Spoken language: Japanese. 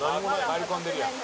入り込んでるやん」